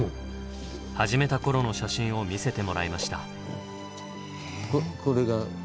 始めた頃の写真を見せてもらいました。